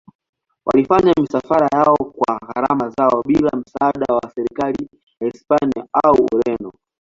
Walifanya misafara yao kwa gharama zao bila msaada wa serikali ya Hispania au Ureno.